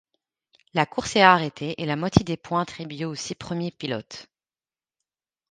La course est arrêtée et la moitié des points attribués aux six premiers pilotes.